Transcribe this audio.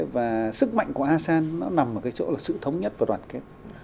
và sức mạnh của asean nó nằm ở cái chỗ là sự thống nhất và đoàn kết